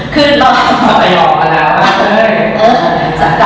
คือตอนไหน